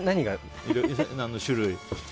種類。